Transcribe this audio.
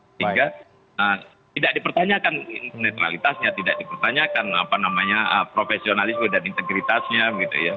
hingga tidak dipertanyakan netralitasnya tidak dipertanyakan profesionalisme dan integritasnya gitu ya